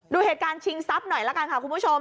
ดูเหตุการณ์ชิงทรัพย์หน่อยละกันค่ะคุณผู้ชม